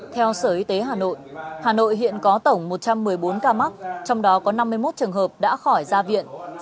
theo sở y tế hà nội hà nội hiện có tổng một trăm một mươi bốn ca mắc trong đó có năm mươi một trường hợp đã khỏi ra viện